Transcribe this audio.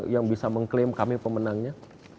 yang bisa mengklaim kami pemenangnya